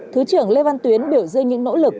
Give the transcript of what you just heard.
thứ trưởng lê văn tuyến biểu dưng những nỗ lực